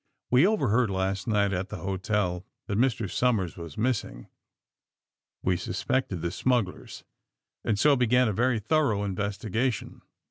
We overheard, last night at the hotel, that Mr. Somers was missing. We suspected the smugglers, and so began a very thorough investigation.